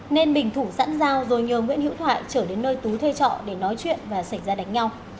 nên bình thủ sẵn dao rồi nhờ nguyễn hữu thoại trở đến nơi tú thuê trọ để nói chuyện và xảy ra đánh nhau